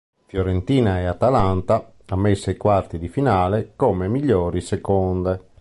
Fiorentina e Atalanta ammesse ai quarti di finale come migliori seconde.